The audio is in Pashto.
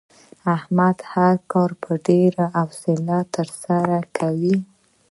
احمد هر کار په ډېره حوصله ترسره کوي.